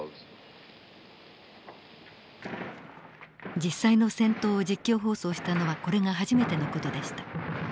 実際の戦闘を実況放送したのはこれが初めての事でした。